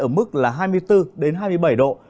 ở mức là hai mươi bốn hai mươi bảy độ